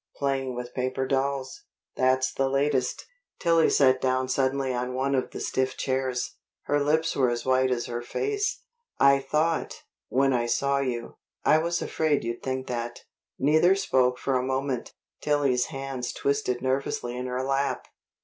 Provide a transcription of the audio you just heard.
Playing with paper dolls that's the latest." Tillie sat down suddenly on one of the stiff chairs. Her lips were as white as her face. "I thought, when I saw you " "I was afraid you'd think that." Neither spoke for a moment. Tillie's hands twisted nervously in her lap. Mr.